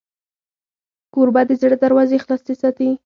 کوربه د زړه دروازې خلاصې ساتي.